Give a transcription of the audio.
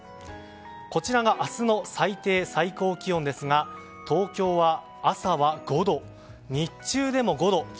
こちらが明日の最低・最高気温ですが東京は朝は５度、日中でも５度。